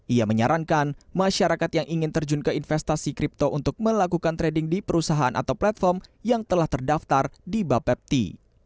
ia menyarankan masyarakat yang ingin terjun ke investasi kripto untuk melakukan trading di perusahaan atau platform yang telah terdaftar di bapepti